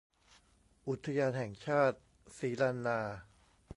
อุทยานแห่งชาติศรีลานนา